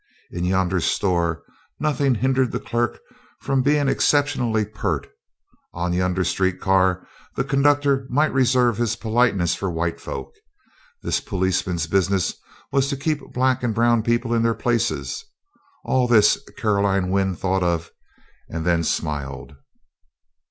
In yonder store nothing hindered the clerk from being exceptionally pert; on yonder street car the conductor might reserve his politeness for white folk; this policeman's business was to keep black and brown people in their places. All this Caroline Wynn thought of, and then smiled.